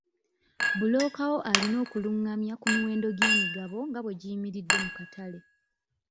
Bbulooka wo alina okukulungamya ku miwendo gy'emigabo nga bwe giyimiridde mu katale.